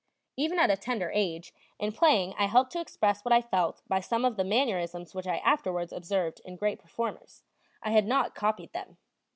Even at a tender age, in playing I helped to express what I felt by some of the mannerisms which I afterwards observed in great performers; I had not copied them.